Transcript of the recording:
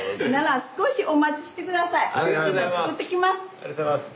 ありがとうございます。